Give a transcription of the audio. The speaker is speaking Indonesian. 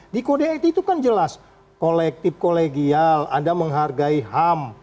di kode etik itu kan jelas kolektif kolegial anda menghargai ham